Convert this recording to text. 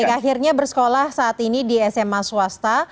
akhirnya bersekolah saat ini di sma swasta